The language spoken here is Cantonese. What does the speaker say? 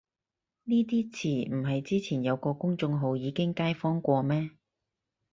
呢啲詞唔係之前有個公眾號已經街訪過咩